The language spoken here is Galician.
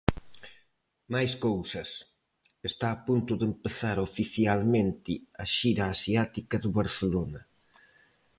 Máis cousas... está a punto de empezar oficialmente a xira asiática do Barcelona.